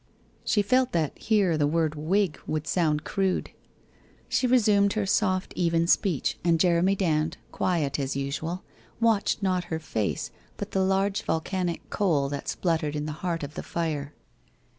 She felt that here the word wig would sound crude. She resumed her soft, even speech, and Jeremy Dand, quiet as usual, watched, not her face, but the large vol canic coal that spluttered in the heart of the fire.